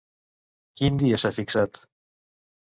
Quin dia s'ha fixat?